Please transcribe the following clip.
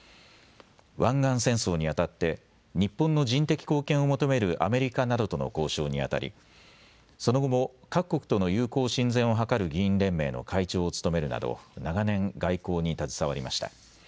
湾岸戦争にあたって日本の人的貢献を求めるアメリカなどとの交渉にあたりその後も各国との友好親善を図る議員連盟の会長を務めるなど長年外交に携わりました。